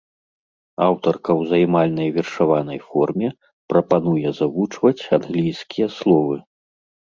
Аўтарка ў займальнай вершаванай форме прапануе завучваць англійскія словы.